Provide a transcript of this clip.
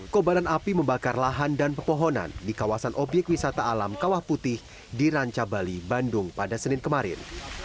kobaran api membakar lahan dan pepohonan di kawasan obyek wisata alam kawah putih di ranca bali bandung pada senin kemarin